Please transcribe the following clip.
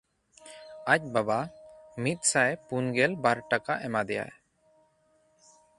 ᱟᱡ ᱵᱟᱵᱟ ᱢᱤᱫᱥᱟᱭ ᱯᱩᱱᱜᱮᱞ ᱵᱟᱨ ᱴᱟᱠᱟ ᱮᱢᱟ ᱫᱮᱭᱟᱭ᱾